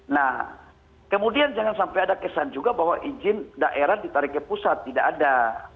nah kemudian jangan sampai ada kesan juga bahwa izin daerah ditarik ke pusat tidak ada